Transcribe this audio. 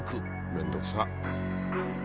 面倒くさっ！